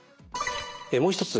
もう一つ